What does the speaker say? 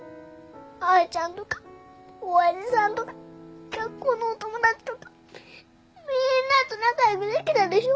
彩ちゃんとか親父さんとか学校のお友達とかみんなと仲良くできたでしょ？